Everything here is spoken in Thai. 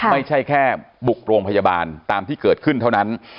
ไม่ใช่แค่บุกโรงพยาบาลตามที่เกิดขึ้นเท่านั้น